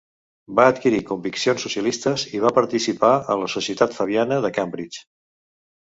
Va adquirir conviccions socialistes, i va participar en la Societat Fabiana de Cambridge.